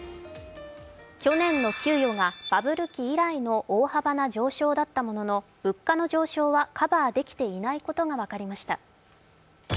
去年の給与がバブル期以来の大幅な上昇だったものの物価の上昇はカバーできていないことが分かりました。